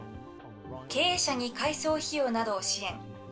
経営者に改装費用などを支援。